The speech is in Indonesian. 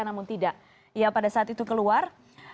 namun tidak ia pada saat itu keluar